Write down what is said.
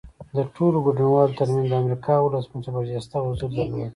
د ټولو ګډونوالو ترمنځ د امریکا ولسمشر برجسته حضور درلود